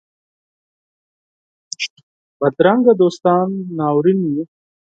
بدرنګه دوستان ناورین وي